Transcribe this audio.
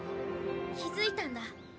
気付いたんだ。